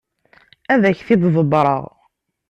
Ad ak-t-id-ḍebbreɣ.